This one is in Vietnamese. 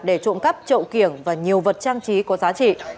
để trộm cắp trậu kiểng và nhiều vật trang trí có giá trị